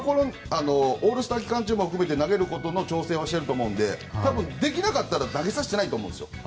オールスター期間中も含めて投げることの調整はしていると思うのでできなかったら投げさせてないと思うんです。